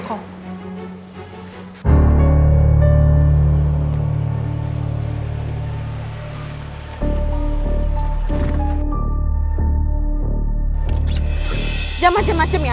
jangan macem macem ya